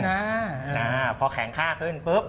โอ้โหพอแข็งข้าขึ้นปุ๊บ